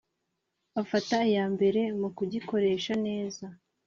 afata iya mbere mu kugikoresha neza.